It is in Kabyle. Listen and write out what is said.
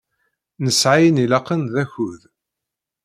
Nesɛa ayen ilaqen d akud.